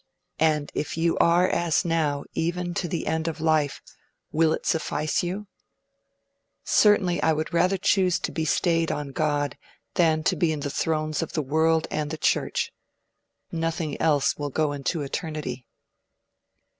And if you are as now even to the end of life, will it suffice you?... Certainly I would rather choose to be stayed on God, than to be in the thrones of the world and the Church. Nothing else will go into Eternity.'